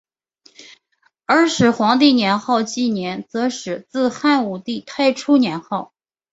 而使用皇帝年号纪年则始自汉武帝太初年号。